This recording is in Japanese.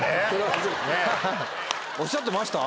おっしゃってました？